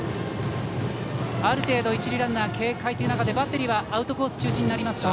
ある程度、一塁ランナー警戒でバッテリーはアウトコース中心になりますか。